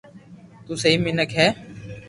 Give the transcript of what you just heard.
تو سھي مينک ڪوئي ھي